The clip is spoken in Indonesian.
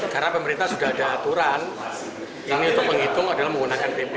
karena pemerintah sudah ada aturan ini untuk menghitung adalah menggunakan pp